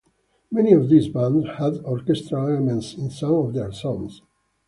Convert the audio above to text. Many of these bands had orchestral elements in some of their songs.